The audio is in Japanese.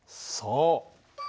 そう。